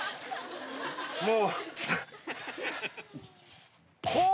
もう。